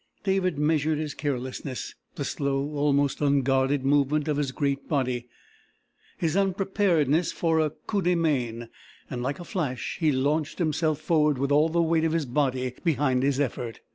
David measured his carelessness, the slow almost unguarded movement of his great body, his unpreparedness for a coup de main and like a flash he launched himself forward with all the weight of his body behind his effort.